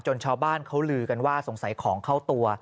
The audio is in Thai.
ชาวบ้านเขาลือกันว่าสงสัยของเข้าตัว